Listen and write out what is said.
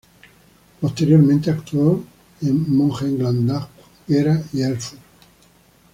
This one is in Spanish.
Posteriormente actuó en Mönchengladbach, Gera y Erfurt.